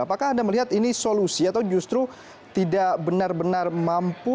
apakah anda melihat ini solusi atau justru tidak benar benar mampu